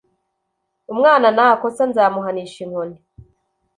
Umwana Nakosa nzamuhanisha inkoni